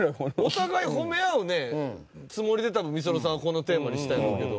お互い褒め合うつもりで多分ｍｉｓｏｎｏさんはこのテーマにしたんやろうけど。